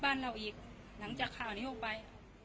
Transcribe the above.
บ้านเราอีกหลังจากข่าวนี้ออกไป